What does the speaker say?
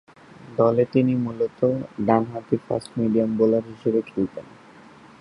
দলে তিনি মূলতঃ ডানহাতি ফাস্ট মিডিয়াম বোলার হিসেবে খেলতেন।